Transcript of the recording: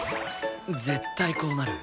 絶対こうなる。